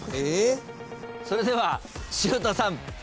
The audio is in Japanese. それでは城田さん